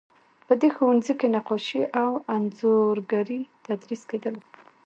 په دې ښوونځي کې نقاشي او انځورګري تدریس کیدله.